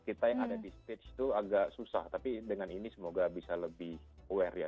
kita yang ada di stage itu agak susah tapi dengan ini semoga bisa lebih aware ya